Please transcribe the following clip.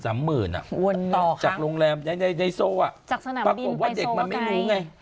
๓๐๐๐๐๓๐๐๐๐อ่ะจากโรงแรมในโซว่าปรากฎว่าเด็กมันไม่รู้ไง